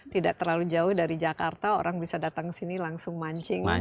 tidak terlalu jauh dari jakarta orang bisa datang ke sini langsung mancing